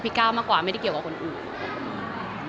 ก้าวมากกว่าไม่ได้เกี่ยวกับคนอื่น